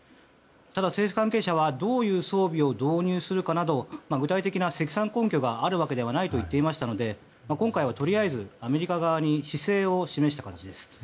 ただ、政府関係者はどういう装備を導入するかなど具体的な積算根拠がないと言っていましたので今回はとりあえずアメリカ側に姿勢を示した形です。